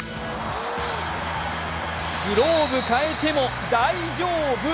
グローブ変えても大丈夫。